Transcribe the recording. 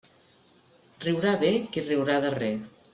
Riurà bé qui riurà darrer.